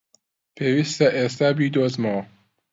پێویستە ئێستا بیدۆزمەوە!